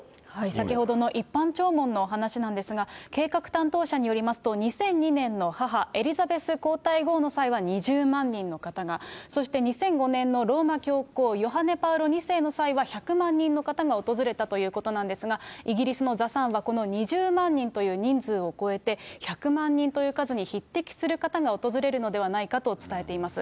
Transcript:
先ほどの一般弔問のお話なんですが、計画担当者によりますと、２００２年の母、エリザベス皇太后の際には２０万人の方が、そして２００５年のローマ教皇ヨハネ・パウロ２世の際には１００万人の方が訪れたということなんですが、イギリスのザ・サンはこの２０万人という人数を超えて、１００万人という数に匹敵する方が訪れるのではないかと伝えています。